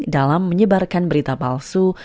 dalam menyebarkan berita palsu